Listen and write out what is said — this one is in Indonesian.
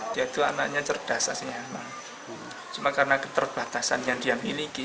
dia itu anaknya cerdas aslinya anak cuma karena keterbatasan yang dia miliki